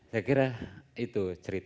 saya kira itu cerita